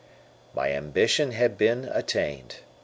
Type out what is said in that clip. My ambition had been attained!